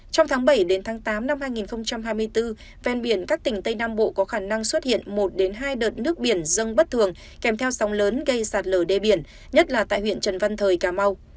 trong tháng bảy đến tháng tám năm hai nghìn hai mươi bốn ven biển các tỉnh tây nam bộ có khả năng xuất hiện một hai đợt nước biển dâng bất thường kèm theo sóng lớn gây sạt lở đê biển nhất là tại huyện trần văn thời cà mau